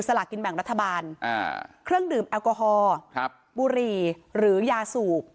ลากินแบ่งรัฐบาลเครื่องดื่มแอลกอฮอล์บุรีหรือยาสูบ